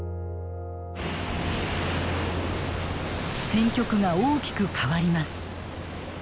戦局が大きく変わります。